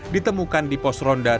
ditemukan di pos ronda